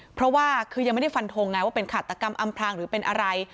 เพราะว่าคือยังไม่ได้ฟันทงไงว่าเป็นฆาตกรรมอำพลางหรือเป็นอะไร